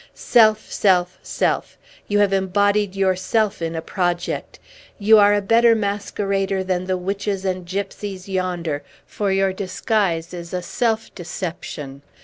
Self, self, self! You have embodied yourself in a project. You are a better masquerader than the witches and gypsies yonder; for your disguise is a self deception.